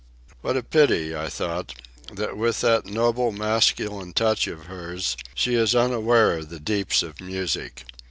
What a pity, I thought, that with that noble masculine touch of hers she is unaware of the deeps of music.